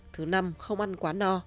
thứ năm không ăn quá no